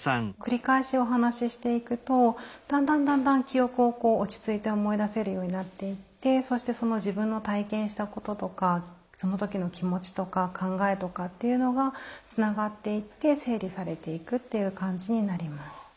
繰り返しお話ししていくとだんだんだんだん記憶を落ち着いて思い出せるようになっていってそして自分の体験したこととかその時の気持ちとか考えとかっていうのがつながっていって整理されていくっていう感じになります。